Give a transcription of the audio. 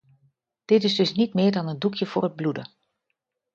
Dit is dus niet meer dan een doekje voor het bloeden.